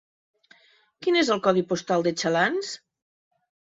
Quin és el codi postal de Xalans?